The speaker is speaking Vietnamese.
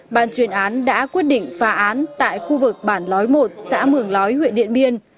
ban chuyên án đã quyết định phá án tại khu vực bản lói một xã mường lói huyện điện biên